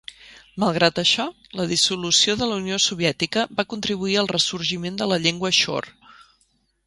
Malgrat això, la dissolució de la Unió Soviètica va contribuir al ressorgiment de la llengua Shor.